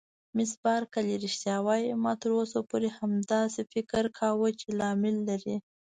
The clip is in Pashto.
مس بارکلي: رښتیا وایې؟ ما تر اوسه پورې همداسې فکر کاوه چې لامل لري.